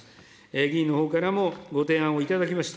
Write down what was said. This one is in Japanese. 議員のほうからもご提案をいただきました。